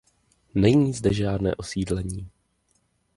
Není zde žádné osídlení.